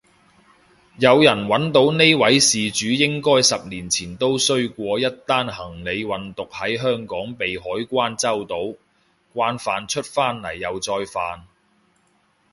有人搵到呢位事主應該十年前都衰過一單行李運毒喺香港被海關周到，慣犯出返嚟又再犯